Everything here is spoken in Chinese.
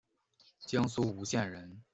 江苏吴县人。